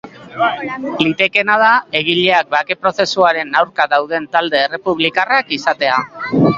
Litekeena da egileak bake prozesuaren aurka dauden talde errepublikarrak izatea.